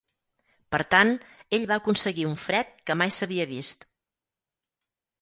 Per tant, ell va aconseguir un fred que mai s'havia vist.